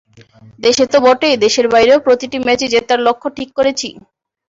দেশে তো বটেই, দেশের বাইরেও প্রতিটি ম্যাচই জেতার লক্ষ্য ঠিক করেছি।